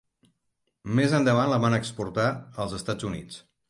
Més endavant la van exportar als Estats Units.